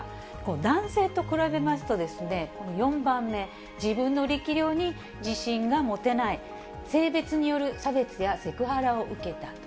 男性と比べますと、４番目、自分の力量に自信が持てない、性別による差別やセクハラを受けたと。